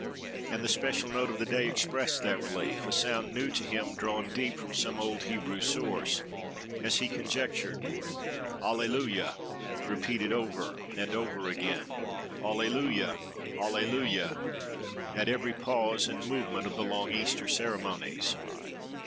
And the special note of the day expressed that relief—a sound new to him, drawn deep from some old Hebrew source, as he conjectured, Alleluia! repeated over and over again, Alleluia! Alleluia! at every pause and movement of the long Easter ceremonies.